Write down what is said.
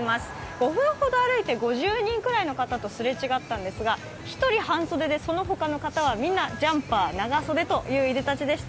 ５分ほど歩いて５０人くらいの方のすれ違ったんですが、１人半袖で、その他の方はみんなジャンパー、長袖といういでたちでした。